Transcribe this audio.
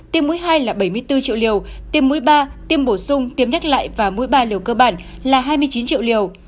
tiêm mũi hai là bảy mươi bốn triệu liều tiêm mũi ba tiêm bổ sung tiêm nhắc lại và mỗi ba liều cơ bản là hai mươi chín triệu liều